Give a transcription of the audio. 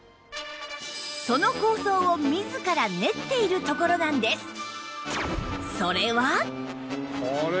その構想を自ら練っているところなんです